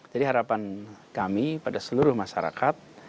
jadi harapan kami pada seluruh masyarakat